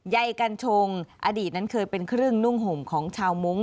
ใัญชงอดีตนั้นเคยเป็นเครื่องนุ่งห่มของชาวมงค